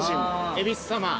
恵比寿様。